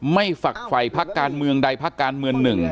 ไม่ฝักไฟภาคการเมืองใดภาคการเมืองหนึ่ง